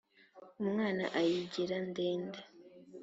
umwana ayigira ndende